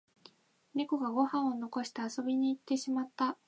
ネコがご飯を残して遊びに行ってしまった